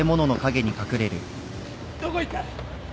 どこ行った？